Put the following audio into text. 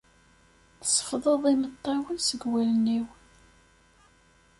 Tsefḍeḍ imeṭṭawen seg wallen-iw.